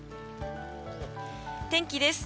天気です。